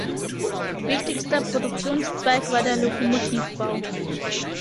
Wichtigster Produktionszweig war der Lokomotivbau.